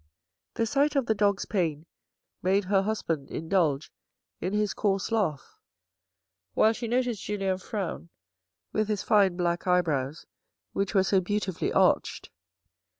The sight of the dog's pain made her husband indulge in his coarse laugh, while she noticed Julien frown, with his fine black eyebrows which were so beautifully arched.